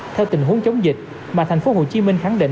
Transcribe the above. theo tình huống chống dịch mà thành phố hồ chí minh khẳng định